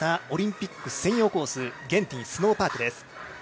オリンピック専用コースゲンティンスノーパークです。